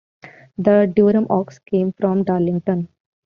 The Durham Ox came from Darlington.